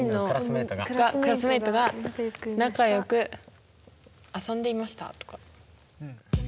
クラスメートが仲良く遊んでいましたとか。